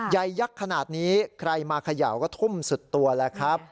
ยักษ์ขนาดนี้ใครมาเขย่าก็ทุ่มสุดตัวแล้วครับ